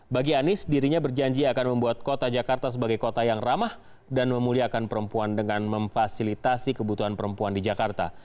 bagi anies dirinya berjanji akan membuat kota jakarta sebagai kota yang ramah dan memuliakan perempuan dengan memfasilitasi kebutuhan perempuan di jakarta